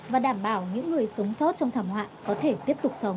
và đảm bảo những người sống sót trong thảm họa có thể tiếp tục sống